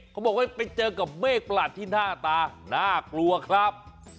เขาบอกว่าไปเจอกับเมฆประหลาดที่หน้าตาน่ากลัวครับ